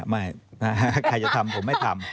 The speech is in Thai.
ไม่ใครจะทำผมไม่ทำ